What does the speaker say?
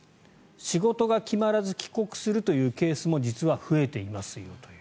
仕事が決まらず帰国するというケースも実は増えていますよという。